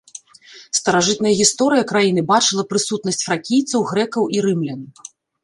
Старажытная гісторыя краіны бачыла прысутнасць фракійцаў, грэкаў і рымлян.